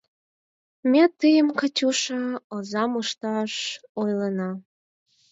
— Ме тыйым, Катюша, озам ышташ ойлена.